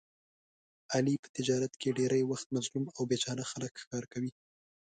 علي په تجارت کې ډېری وخت مظلوم او بې چاره خلک ښکار کوي.